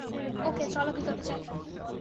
ওকে, চলো ভিতরে যাই।